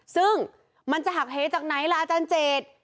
ซึ่งมันจะหักเหจากไหนล่ะอาจารย์เจด